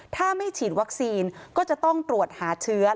ถ้าไม่ฉีดวัคซีนก็จะต้องตรวจหาเชื้อ